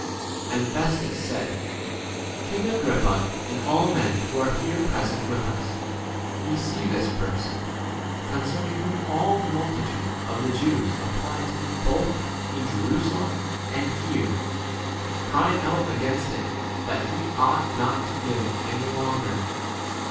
24 And Festus said, g King Agrippa, and all men who are here present with us, ye see this person, con cerning whom all the multitude of the Jews applied to me both in Jerusalem and here, crying out against [him] that he ought not to 25 live any longer.